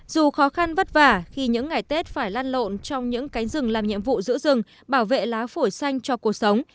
dù khó khăn vất vả khi những ngày tết phải lan lộn trong những cánh rừng làm nhiệm vụ giữ rừng bảo vệ lá phổi xanh cho cuộc sống